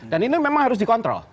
dan ini memang harus dikontrol